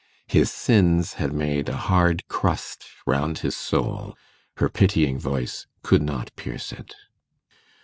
His sins had made a hard crust round his soul; her pitying voice could not pierce it.